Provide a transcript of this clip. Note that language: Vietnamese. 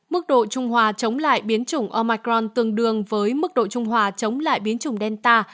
mức độ trung hòa chống lại biến chủng omcron tương đương với mức độ trung hòa chống lại biến chủng delta